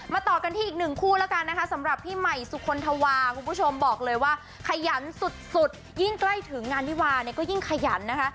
ต่อกันที่อีกหนึ่งคู่แล้วกันนะคะสำหรับพี่ใหม่สุคลธวาคุณผู้ชมบอกเลยว่าขยันสุดยิ่งใกล้ถึงงานวิวาเนี่ยก็ยิ่งขยันนะคะ